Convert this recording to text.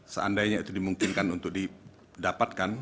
seandainya itu dimungkinkan untuk didapatkan